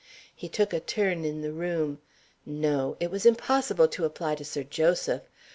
He took a turn in the room. No! It was impossible to apply to Sir Joseph.